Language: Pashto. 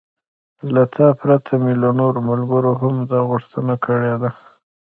له تا پرته مې له نورو ملګرو هم دا غوښتنه کړې ده.